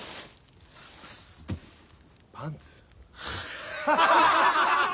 パンツ？